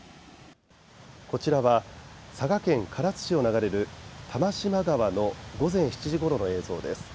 こちらは佐賀県唐津市を流れる玉島川の午前７時ごろの映像です。